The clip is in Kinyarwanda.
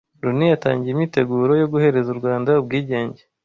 Loni yatangiye imyiteguro yo guhereza u Rwanda ubwigenge